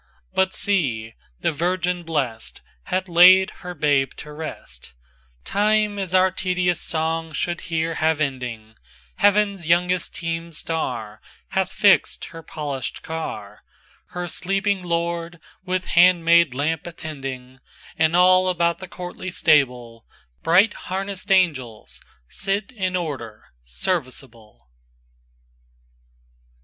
XXVIIBut see! the Virgin blestHath laid her Babe to rest, Time is our tedious song should here have ending:Heaven's youngest teemèd starHath fixed her polished car, Her sleeping Lord with handmaid lamp attending; And all about the courtly stableBright harnessed Angels sit in order serviceable.